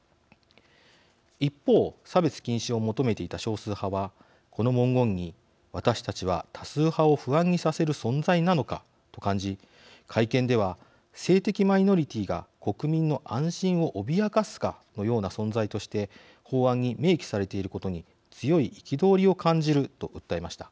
一方差別禁止を求めていた少数派はこの文言に私たちは多数派を不安にさせる存在なのかと感じ会見では性的マイノリティーが国民の安心を脅かすかのような存在として法案に明記されていることに強い憤りを感じると訴えました。